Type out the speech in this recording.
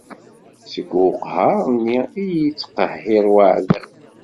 Seg uqhar-nni i iyi-ittqehhir uɛdaw.